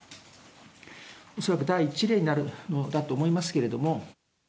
内密出産、恐らく第１例になるのだと思いますけれども。